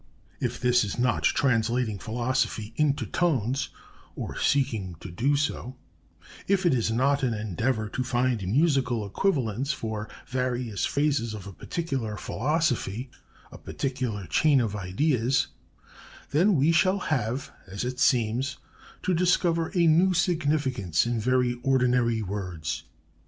If this is not translating philosophy into tones (or seeking to do so), if it is not an endeavor to find musical equivalents for various phases of a particular philosophy, a particular chain of ideas, then we shall have, as it seems, to discover a new significance in very ordinary words.